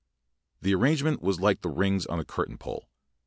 The arrange ment was like the rings on a curtain pole.